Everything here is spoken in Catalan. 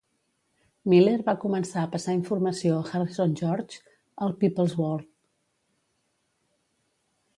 Miller va començar a passar informació a Harrison George al "People's World".